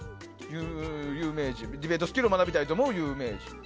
ディベートスキルを学びたいと思う有名人。